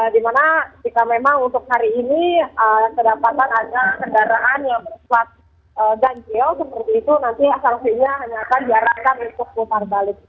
di mana jika memang untuk hari ini terdapatkan ada kendaraan yang bersuat ganjil seperti itu nanti asal usulnya hanya akan diarahkan untuk putar balik